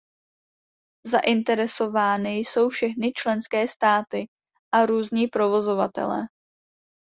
Zainteresovány jsou všechny členské státy a různí provozovatelé.